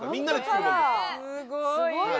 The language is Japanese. すごいな。